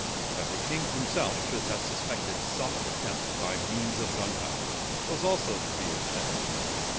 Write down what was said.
That the king himself should have suspected some attempt by means of gunpowder was also to be expected.